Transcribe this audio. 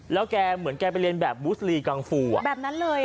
แล้วแกเหมือนแกไปเรียนแบบบุสลีกังฟูแบบนั้นเลย